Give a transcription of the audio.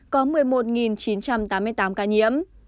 có một mươi một chín trăm tám mươi tám ca nhiễm